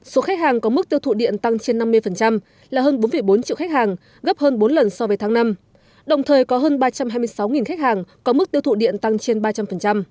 số khách hàng có mức tiêu thụ điện tăng trên năm mươi là hơn bốn bốn triệu khách hàng gấp hơn bốn lần so với tháng năm đồng thời có hơn ba trăm hai mươi sáu khách hàng có mức tiêu thụ điện tăng trên ba trăm linh